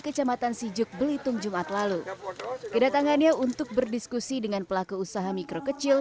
kecamatan sijuk belitung jumat lalu kedatangannya untuk berdiskusi dengan pelaku usaha mikro kecil